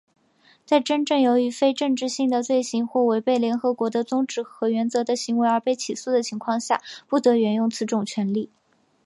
在真正由于非政治性的罪行或违背联合国的宗旨和原则的行为而被起诉的情况下,不得援用此种权利。